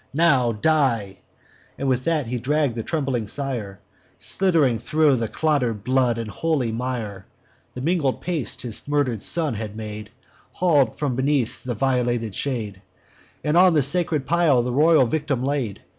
Now die!' With that he dragg'd the trembling sire, Slidd'ring thro' clotter'd blood and holy mire, (The mingled paste his murder'd son had made,) Haul'd from beneath the violated shade, And on the sacred pile the royal victim laid.